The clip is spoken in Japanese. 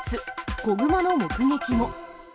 子グマの目撃も。